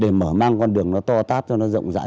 để mở mang con đường nó to tát cho nó rộng rãi